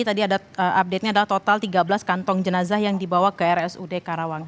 tadi ada update nya adalah total tiga belas kantong jenazah yang dibawa ke rsud karawang